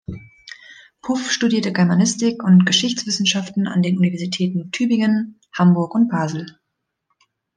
Puff studierte Germanistik und Geschichtswissenschaften an den Universitäten Tübingen, Hamburg und Basel.